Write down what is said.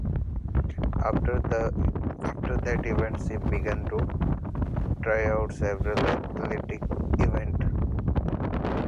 After that event, she began to try out several athletic events.